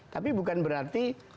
tapi bukan berarti